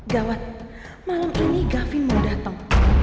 gawat malam ini gafi mau dateng